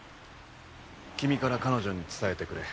君から彼女に伝えてくれ。